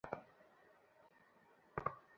তিনি শাহজাহানপুরে ফিরে আসেন।